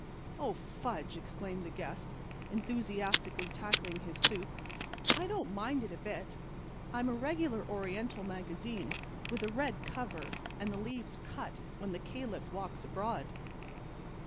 "Oh, fudge!" exclaimed the guest, enthusiastically tackling his soup; "I don't mind it a bit. I'm a regular Oriental magazine with a red cover and the leaves cut when the Caliph walks abroad.